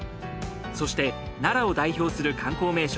そして奈良を代表する観光名所